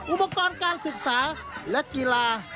อุปกรณ์การศึกษาและกีฬา